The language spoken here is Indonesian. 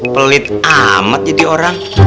pelit amat jadi orang